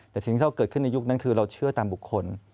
แต่สิ่งที่เราเกิดขึ้นในยุคนั้นคือเราเชื่อตามบุคคล